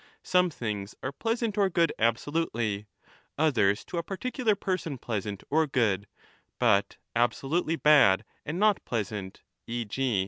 Some things are pleasant or good absolutely, others to a particular 20 person pleasant or good — but absolutely bad and not pleasant, e. g.